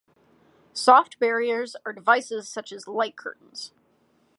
Soft barriers are devices such as light curtains.